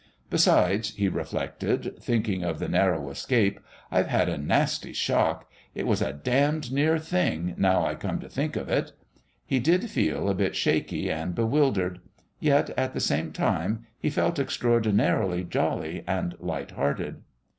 "Besides," he reflected, thinking of the narrow escape, "I've had a nasty shock. It was a d d near thing, now I come to think of it...." He did feel a bit shaky and bewildered.... Yet, at the same time, he felt extraordinarily jolly and light hearted....